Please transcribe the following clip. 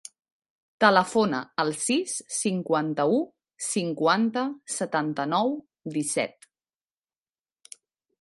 Telefona al sis, cinquanta-u, cinquanta, setanta-nou, disset.